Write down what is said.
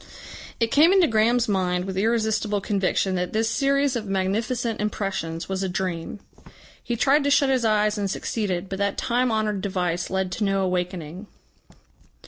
It came into Graham's mind with irresistible conviction that this series of magnificent impressions was a dream. He tried to shut his eyes and succeeded, but that time honoured device led to no awakening.